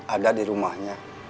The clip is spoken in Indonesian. ada di rumahnya